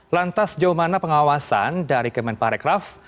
lantas sejauh mana pengawasan dari kemenparekraf